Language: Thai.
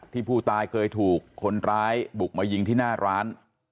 ที่ผู้ตายก็เคยถูกไหงบุกทงมายิงที่หน้าร้าน